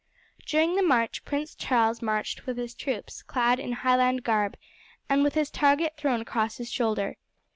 During the march Prince Charles marched with his troops clad in Highland garb, and with his target thrown across his shoulder.